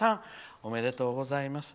おめでとうございます。